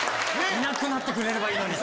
いなくなってくれればいいのに！